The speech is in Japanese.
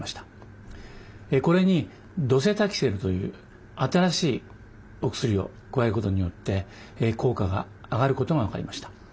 これにドセタキセルという新しいお薬を加えることによって効果が上がることが分かりました。